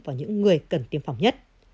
vào những người cần tiêm phòng nhất